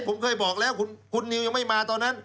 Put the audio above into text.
ผมเคยบอกแล้วคุณนิวยังไม่มาตอนนั้น